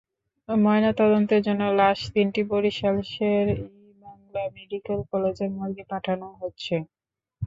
ময়নাতদন্তের জন্য লাশ তিনটি বরিশাল শের-ই-বাংলা মেডিকেল কলেজের মর্গে পাঠানো হচ্ছে।